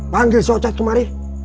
panggil si ocat kemari